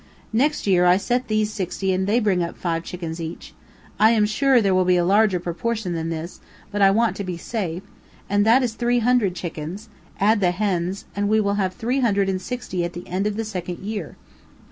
Next year I set these sixty and they bring up five chickens each, I am sure there will be a larger proportion than this, but I want to be safe, and that is three hundred chickens; add the hens, and we have three hundred and sixty at the end of the second year.